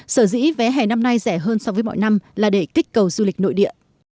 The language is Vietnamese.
sở dĩ vé hè năm nay rẻ hơn so với mọi năm là để kích cầu du lịch nội địa